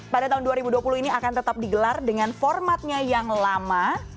pada tahun dua ribu dua puluh ini akan tetap digelar dengan formatnya yang lama